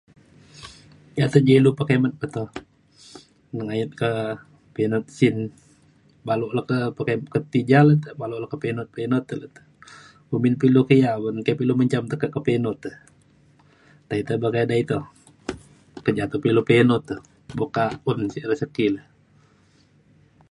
yak te ji ilu pekimet ja toh nengayet pa pe inu sin balau le ke pe ke ti ja le te balau le ke pe inu pe inu te le te. kumbin pe ilu ke ia’ un be pa lu menjam kumbin te ke ke pe inu te. tai te begadai toh. pejakep ilu pe inu te. buk ka un sik rezeki le